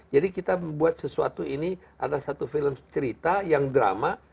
jadi kita membuat sesuatu ini ada satu film cerita yang drama